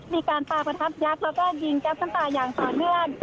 มีการปลาประทับยักษ์แล้วก็ยิงแก๊ปน้ำตาอย่างต่อเนื่อง